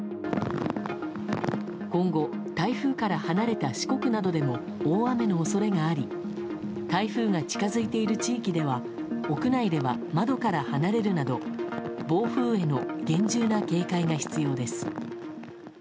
今後、台風から離れた四国などでも大雨の恐れがあり台風が近づいている地域では屋内では窓から離れるなど暴風への厳重な警戒が必要です。